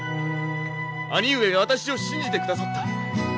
兄上が私を信じてくださった。